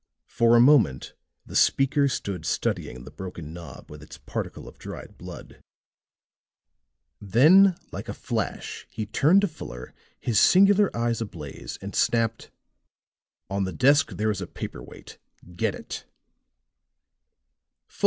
For a moment the speaker stood studying the broken knob with its particle of dried blood; then like a flash he turned to Fuller, his singular eyes ablaze, and snapped: "On the desk there is a paper weight. Get it."